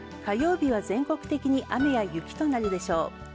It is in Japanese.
火曜日は全国的に雨や雪となるでしょう。